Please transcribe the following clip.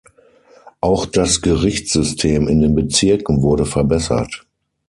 Auch das Gerichtssystem in den Bezirken wurde verbessert.